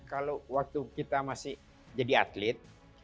kalau waktu kita masih jadi atlet